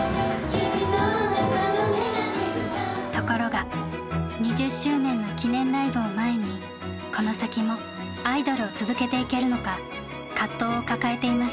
ところが２０周年の記念ライブを前にこの先もアイドルを続けていけるのか葛藤を抱えていました。